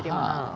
sudah jadi mahal